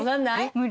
無理。